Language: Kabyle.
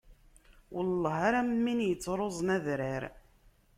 Welleh ar am win yettruẓen adrar!